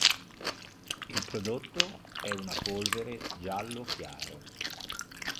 Il prodotto è una polvere giallo chiaro.